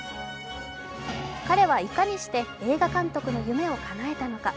彼はいかにして映画監督の夢をかなえたのか。